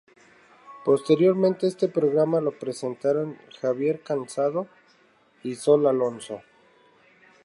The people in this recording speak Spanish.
Posteriormente este programa lo presentaron Javier Cansado y Sol Alonso.